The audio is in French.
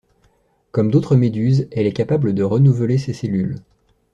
Comme d'autres méduses, elle est capable de renouveler ses cellules.